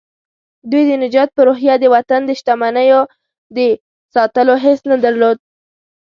دوی د نجات په روحيه د وطن د شتمنيو د ساتلو حس نه درلود.